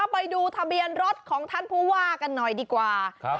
ไปดูทะเบียนรถของท่านผู้ว่ากันหน่อยดีกว่าครับ